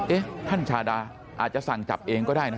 ท่านชาดาอาจจะสั่งจับเองก็ได้นะ